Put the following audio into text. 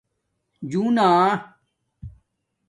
جُونݳ